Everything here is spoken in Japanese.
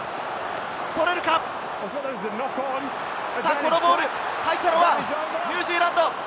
このボール、入ったのはニュージーランド。